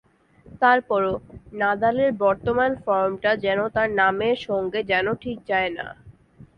তারপরও নাদালের বর্তমান ফর্মটা যেন তাঁর নামের সঙ্গে যেন ঠিক যায় না।